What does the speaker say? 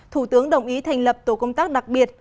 thủ tướng đồng ý thành lập tổ công tác đặc biệt